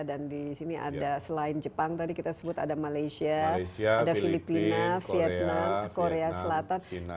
dan di sini ada selain jepang tadi kita sebut ada malaysia ada filipina vietnam korea selatan